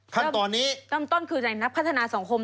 ขั้นตอนนี้เริ่มต้นคือในนักพัฒนาสังคม